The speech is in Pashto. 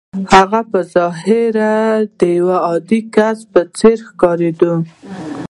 هغه په ظاهره د يوه عادي کس په څېر ښکارېده.